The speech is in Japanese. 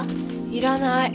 いらない。